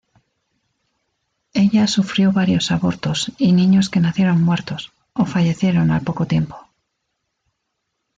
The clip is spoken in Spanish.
Ella sufrió varios abortos y niños que nacieron muertos, o fallecieron al poco tiempo.